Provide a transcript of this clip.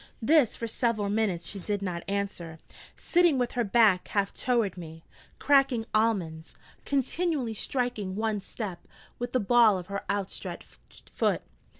This, for several minutes, she did not answer, sitting with her back half toward me, cracking almonds, continually striking one step with the ball of her outstretched foot.